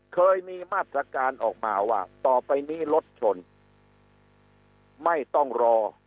เคยมีมาตรการออกมาว่าต่อไปนี้รถชนไม่ต้องรอ